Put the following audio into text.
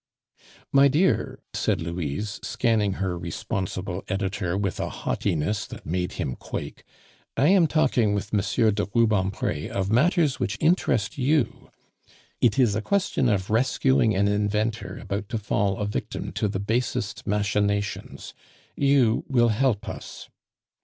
"My dear," said Louise, scanning her responsible editor with a haughtiness that made him quake, "I am talking with M. de Rubempre of matters which interest you. It is a question of rescuing an inventor about to fall a victim to the basest machinations; you will help us.